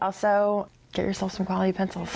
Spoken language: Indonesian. dan juga dapatkan penelitian kualitas anda sendiri